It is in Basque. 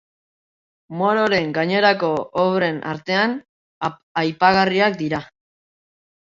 Mororen gainerako obren artean, aipagarriak dira.